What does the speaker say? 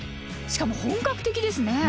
しかも本格的ですね。